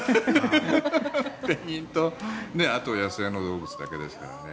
ペンギンとあと野生の動物だけですからね。